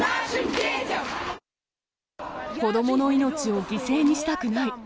子どもの命を犠牲にしたくない。